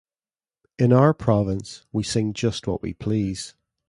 In our province, we sing just what we please.